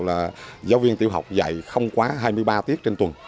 là giáo viên tiểu học dạy không quá hai mươi ba tiết trên tuần